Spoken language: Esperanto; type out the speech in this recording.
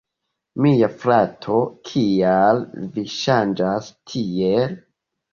Mia frato, kial vi ŝanĝas tiel?